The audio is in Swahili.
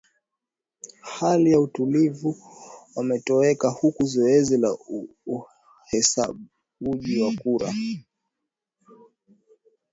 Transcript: hali ya utulivu wametoweka huku zoezi la uhesabuji wa kura